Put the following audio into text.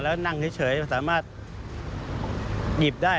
แล้วนั่งเฉยสามารถหยิบได้